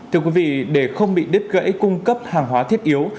thưa quý vị để không bị đứt gãy cung cấp hàng hóa thiết yếu